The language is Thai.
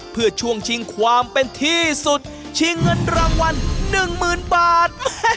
เพื่อช่วงชิงความเป็นที่สุดชิงเงินรางวัล๑๐๐๐บาท